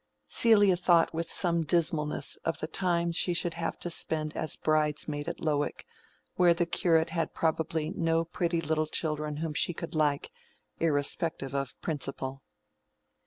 Celia thought with some dismalness of the time she should have to spend as bridesmaid at Lowick, while the curate had probably no pretty little children whom she could like, irrespective of principle.